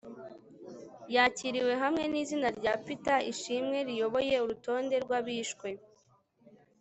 yakiriwe, hamwe n'izina rya peter ishimwe riyoboye urutonde rw abishwe